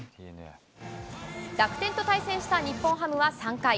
楽天と対戦した日本ハムは３回。